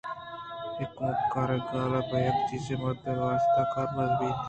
اے کُمکّار گالے پہ یک چیز ءُ مردمے ءِ واست ءَ کارمرز بیت